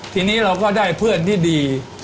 ทีนี้เราก็ได้เพื่อนที่ดี